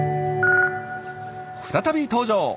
再び登場。